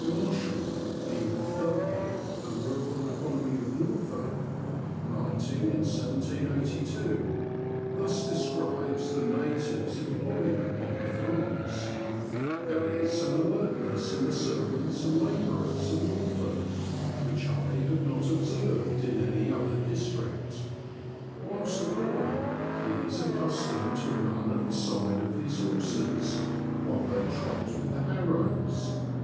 MARSHALL, the author of ''The Rural Economy of Norfolk," writing in 1782, thus describes the natives employed upon the farms :—" There is an alertness in the servants and labourers of Norfolk which I have not observed in any other district. '' Whilst a boy, he is accustomed to run at the side of his horses while they trot with the harrows.